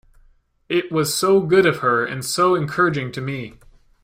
It was so good of her, and so encouraging to me!